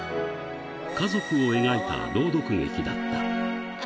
家族を描いた朗読劇だった。